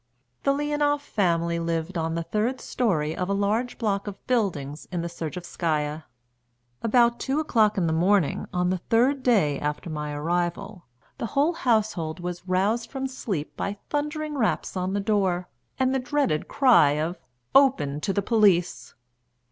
The Leonoff family lived on the third storey of a large block of buildings in the Sergeffskaia. About two o'clock in the morning, on the third day after my arrival, the whole household was roused from sleep by thundering raps on the door, and the dreaded cry of "Open to the police."